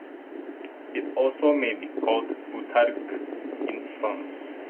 It also may be called boutargue in France.